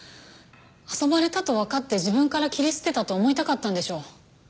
遊ばれたとわかって自分から切り捨てたと思いたかったんでしょう。